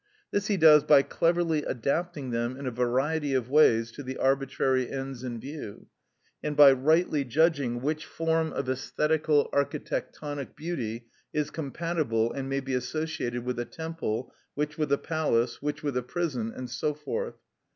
This he does by cleverly adapting them in a variety of ways to the arbitrary ends in view, and by rightly judging which form of æsthetical architectonic beauty is compatible and may be associated with a temple, which with a palace, which with a prison, and so forth.